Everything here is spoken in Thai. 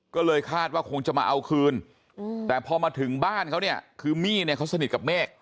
ก็เลยคาดว่าคงจะมาเอาคืนแต่พอมาถึงบ้านเขาเนี่ยคือมี่เนี่ยเขาสนิทกับเมฆ